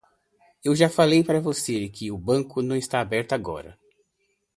Eu já falei pra você que o banco não está aberto agora.